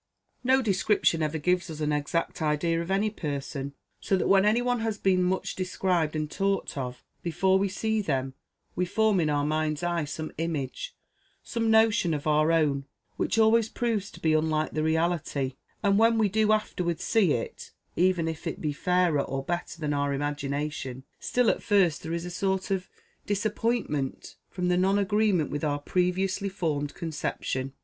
"No description ever gives us an exact idea of any person, so that when any one has been much described and talked of, before we see them we form in our mind's eye some image, some notion of our own, which always proves to be unlike the reality; and when we do afterwards see it, even if it be fairer or better than our imagination, still at first there is a sort of disappointment, from the non agreement with our previously formed conception.